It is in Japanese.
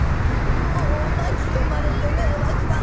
もう巻き込まれて迷惑だわ。